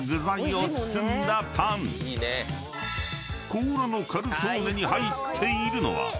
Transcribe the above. ［こうらのカルツォーネに入っているのは］